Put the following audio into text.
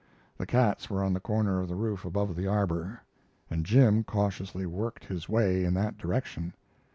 The cats were on the corner of the roof above the arbor, and Jim cautiously worked his way in that direction.